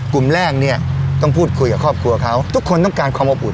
กลุ่มแรกเนี่ยต้องพูดคุยกับครอบครัวเขาทุกคนต้องการความอบอุ่น